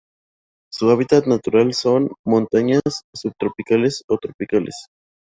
Su hábitat natural son: montañas subtropicales o tropicales.